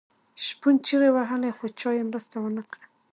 شپون چیغې وهلې خو چا یې مرسته ونه کړه.